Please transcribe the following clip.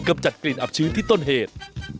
จัดกลิ่นอับชื้นที่ต้นเหตุ